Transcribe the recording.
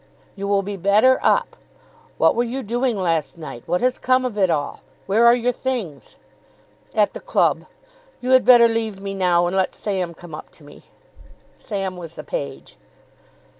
"You will be better up. What were you doing last night? What has come of it all? Where are your things?" "At the club. You had better leave me now, and let Sam come up to me." Sam was the page.